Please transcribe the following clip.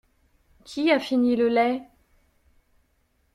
Qui a fini le lait?